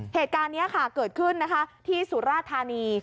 เหตุการณ์นี้ค่ะเกิดขึ้นนะคะที่สุราธานี